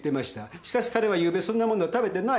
しかし彼はゆうべそんなものは食べてない。